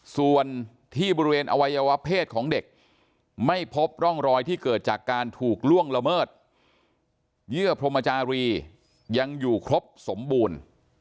ส่วนที่บริเวณอวัยวะเพศของเด็กไม่พบร่องรอยที่เกิดจากการถูกล่วงละเมิดเยื่อพรมจารียังอยู่ครบสมบูรณ์